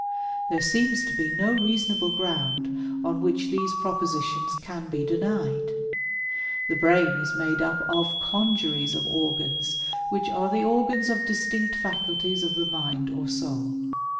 There seems to be no reasonable ground on which these propositions can be denied. The brain is made up of a congeries of organs which are the organs of distinct faculties of the mind or soul.